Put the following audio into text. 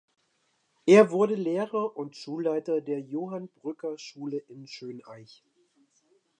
Er wurde Lehrer und Schulleiter der "Johann-Brücker-Schule" in Schönaich.